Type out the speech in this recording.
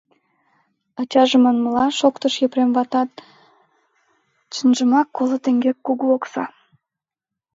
— Ачаже манмыла, — шоктыш Епрем ватат, — чынжымак коло теҥге кугу окса.